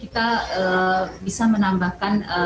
kita bisa menambahkan